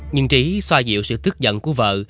nhưng trí xoa dịu sự tức giận của vợ